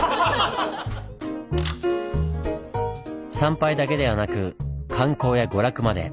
参拝だけではなく観光や娯楽まで。